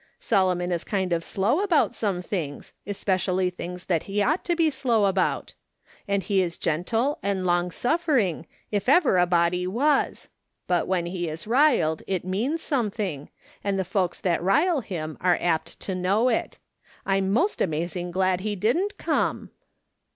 Solomon is kind of slow about some things, especially things that he ought to be slow about ; and he is gentle and long suffering, if ever a body was ; but when he is riled it means something, and the folks that rile him are apt to know it. I'm most amazing glad he didn't come."